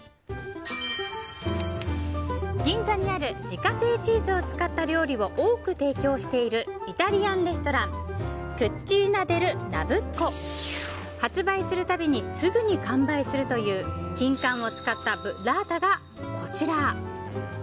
銀座にある自家製チーズを使った料理を多く提供しているイタリアンレストランクッチーナデルナブッコ。発売するたびにすぐに完売するというキンカンを使ったブッラータがこちら。